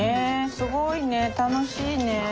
すごいね楽しいね。